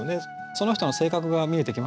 その人の性格が見えてきますよね。